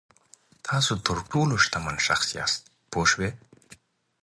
تاسو تر ټولو شتمن شخص یاست پوه شوې!.